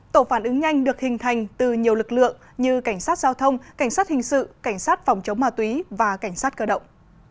tổ phản ứng nhanh được hình thành từ nhiều lực lượng như cảnh sát giao thông cảnh sát hình sự cảnh sát phòng chống ma túy và cảnh sát cơ động